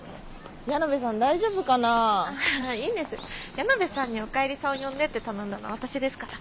矢野部さんにおかえりさんを呼んでって頼んだの私ですから。